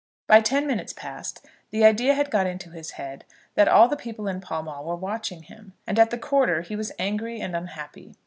By ten minutes past, the idea had got into his head that all the people in Pall Mall were watching him, and at the quarter he was angry and unhappy.